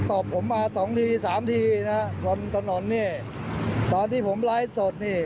อบผมมาสองทีสามทีนะบนถนนนี่ตอนที่ผมไลฟ์สดนี่